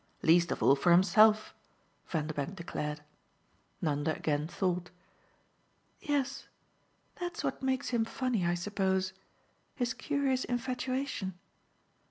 Least of all for himself!" Vanderbank declared. Nanda again thought. "Yes, that's what makes him funny, I suppose his curious infatuation.